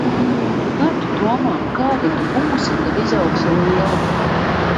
Kā tu domā, kāda tu būsi, kad izaugsi liela?